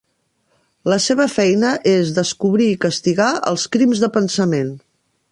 La seva feina és descobrir i castigar els "crims de pensament".